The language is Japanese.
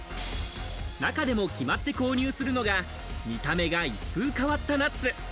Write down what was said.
中でも決まって購入するのが、見た目が一風変わったナッツ。